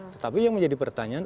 tetapi yang menjadi pertanyaan